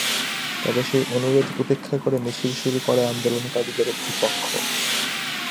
তবে সেই অনুরোধ উপেক্ষা করে মিছিল শুরু করে আন্দোলনকারীদের একটি পক্ষ।